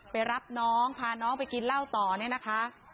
ไปรับน้องพาน้องไปกินเหล้าต่อเนี่ยนะคะ